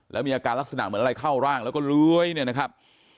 แล้วมีอาการลักษณะเหมือนอะไรเข้าร่างแล้วก็เลื้อยเนี่ยนะครับ